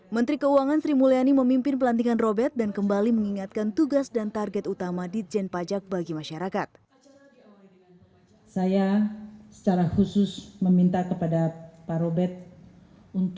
menteri keuangan sri mulyani memimpin pelantikan robert dan kembali mengingatkan tugas dan target utama ditjen pajak bagi masyarakat